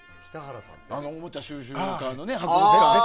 おもちゃ収集家のね。